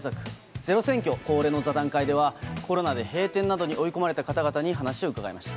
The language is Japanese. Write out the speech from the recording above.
ｚｅｒｏ選挙恒例の座談会では、コロナで閉店などに追い込まれた方々に話を伺いました。